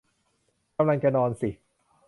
กำลังจะนอนสิ